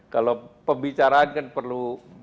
kalau pembicaraan kan perlu